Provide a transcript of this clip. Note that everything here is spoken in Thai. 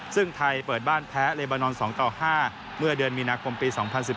ซึ่งไทยเปิดบ้านแพ้เลบานอน๒ต่อ๕เมื่อเดือนมีนาคมปี๒๐๑๘